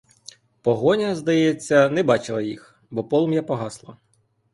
Погоня, здається, не бачила їх, бо полум'я погасло.